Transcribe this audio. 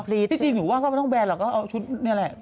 พี่จีบผมว่าไม่ต้องแบรนด์แล้วเอาชุดไหนแหละ